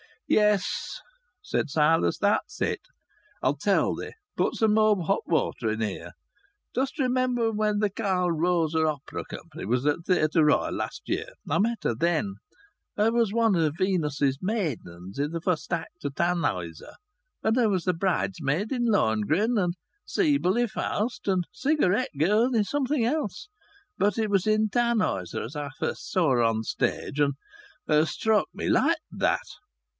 "Yes," said Silas. "That's it. I'll tell thee. Pour some more hot water in here. Dost remember when th' Carl Rosa Opera Company was at Theatre Royal last year? I met her then. Her was one o' Venus's maidens i' th' fust act o' Tannhäuser, and her was a bridesmaid i' Lohengrin, and Siebel i' Faust, and a cigarette girl i' summat else. But it was in Tannhäuser as I fust saw her on the stage, and her struck me like that."